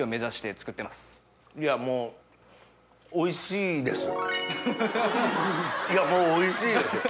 いやもうおいしいです。